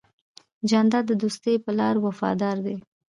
جانداد د دوستی په لار وفادار دی.